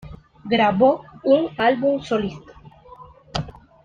Grabó un álbum solista.